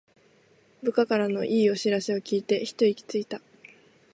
部下からの良い知らせを聞いてひと息ついた